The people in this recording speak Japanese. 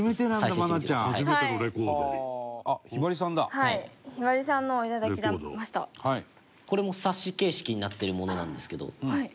隆貴君：これも冊子形式になっているものなんですけど。